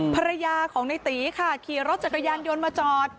ภรรยาของในตีค่ะขี่รถจักรยานยนต์มาจอด